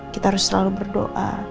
kita harus selalu berdoa